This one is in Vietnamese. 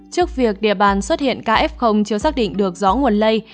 trước việc địa bàn xuất hiện kf chưa xác định được gió nguồn lây